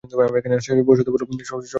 বসতে বল, সম্ভব হলে খাওয়ার কিছু দে!